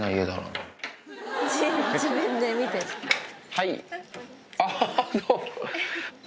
はい。